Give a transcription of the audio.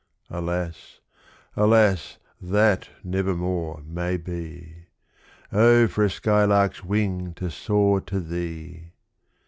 Alas, alas! that never more may be. Oh, for the sky lark's wing to soar to thee!